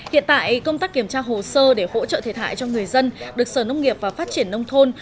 hiện tại công tác kiểm tra hồ sơ để hỗ trợ thiệt hại cho người dân được sở nông nghiệp và phát triển nông thôn